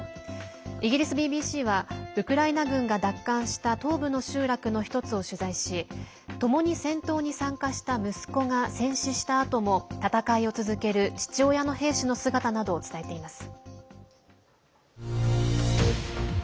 イギリスＢＢＣはウクライナ軍が奪還した東部の集落の１つを取材しともに戦闘に参加した息子が戦死したあとも戦いを続ける父親の兵士の姿などを伝えています。